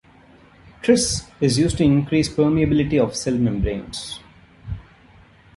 Tris is used to increase permeability of cell membranes.